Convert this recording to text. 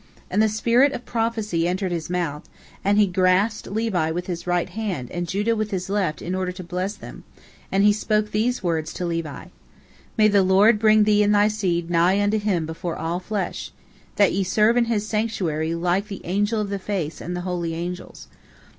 And the spirit of prophecy entered his mouth, and he grasped Levi with his right hand and Judah with his left in order to bless them, and he spoke these words to Levi: "May the Lord bring thee and thy seed nigh unto Him before all flesh, that ye serve in His sanctuary like the Angel of the Face and the Holy Angels.